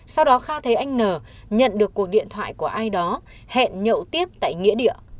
sau đó kha thấy anh n nhận được cuộc điện thoại của ai đó hẹn nhậu tiếp tại nghĩa địa